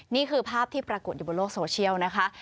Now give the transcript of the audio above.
นี่คือภาพที่ปรากฏอยู่บนโลกโซเชียลนะคะ